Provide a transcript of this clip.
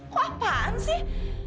kok apaan sih